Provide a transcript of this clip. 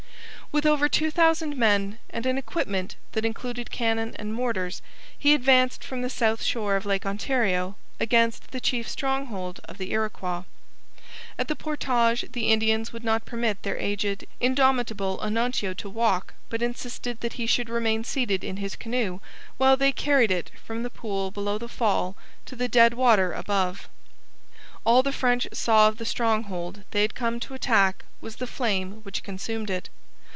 With over two thousand men, and an equipment that included cannon and mortars, he advanced from the south shore of Lake Ontario against the chief stronghold of the Iroquois. At the portage the Indians would not permit their aged, indomitable Onontio to walk, but insisted that he should remain seated in his canoe, while they carried it from the pool below the fall to the dead water above. All the French saw of the stronghold they had come to attack was the flame which consumed it.